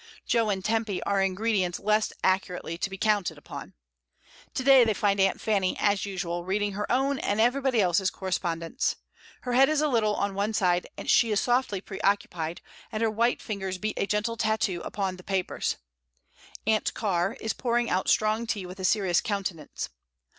Jo and Tempy are ingredients less ac curately to be counted upon. To day, they find Aunt Fanny, as usual, reading her own and every body else's correspondence. Her head is a little on one side, she is softly preoccupied, and her white fingers beat a gentle tattoo upon the papers. Aunt Car is pouring out strong tea with a serious countenance.